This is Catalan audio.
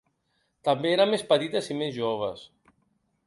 També eren més petites i més joves.